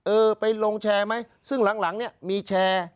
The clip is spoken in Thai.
เออไปลงแชร์ไหมซึ่งหลังเนี่ยมีแชร์